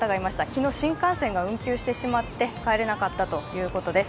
昨日新幹線が運休してしまって帰れなかったということです。